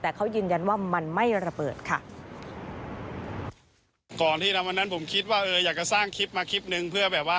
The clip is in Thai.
แต่เขายืนยันว่ามันไม่ระเบิดค่ะ